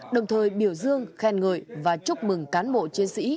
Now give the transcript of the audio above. đồng thời biểu dương khen ngợi và chúc mừng cán bộ chiến sĩ